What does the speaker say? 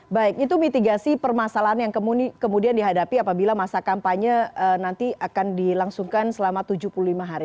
baik itu mitigasi permasalahan yang kemudian dihadapi apabila masa kampanye nanti akan dilangsungkan selama tujuh puluh lima hari